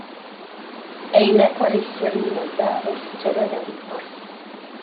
Ayen akk ara isernin allaɣ ur tettara ara deg ṭṭerf.